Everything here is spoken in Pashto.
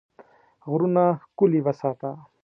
غرونه ښکلي وساته.